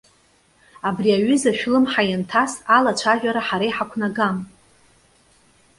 Абри аҩыза шәлымҳа ианҭас, алацәажәара ҳара иҳақәнагам.